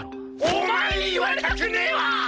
お前に言われたくねえわ！